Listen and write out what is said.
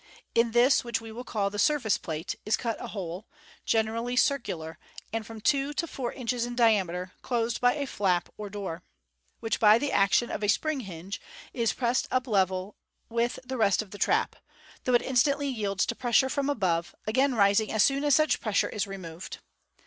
In this which we will call the surface plate, is cut a hole, generally circular, and from two to four inches in diameter, closed by a flap or door. 43S MODERN MAGIC Fig. 261. which by the action of a spring hinge is pressed up level with the rest of the trap, though it instantly yields to pressure from above, again rising as soon as such pressure is removed.